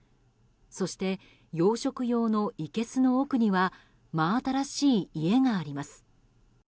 そして、養殖用のいけすの奥には真新しい家があります。